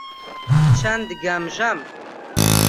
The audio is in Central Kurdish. چەند گەمژەم!